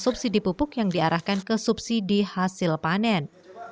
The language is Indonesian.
subsidi pupuk yang diarahkan ke subsidi hasil panen